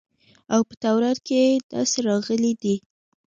او په تورات کښې داسې راغلي دي.